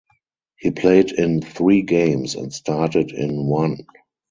He played in three games and started in one.